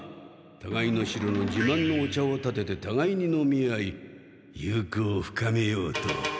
たがいの城のじまんのお茶をたててたがいに飲み合い友好を深めようと。